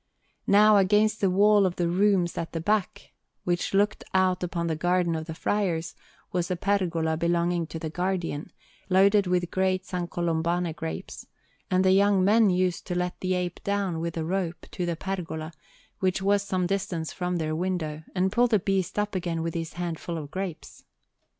Now against the wall of the rooms at the back, which looked out upon the garden of the friars, was a pergola belonging to the Guardian, loaded with great Sancolombane grapes; and the young men used to let the ape down with a rope to the pergola, which was some distance from their window, and pull the beast up again with his hands full of grapes.